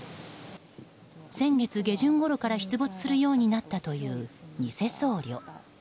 先月下旬ごろから出没するようになったというニセ僧侶。